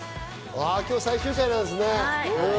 今日、最終回なんですね。